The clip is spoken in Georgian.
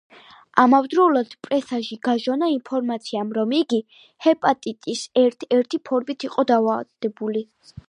ამავდროულად, პრესაში გაჟონა ინფორმაციამ, რომ იგი ჰეპატიტის ერთ-ერთი ფორმით იყო დაავადებული.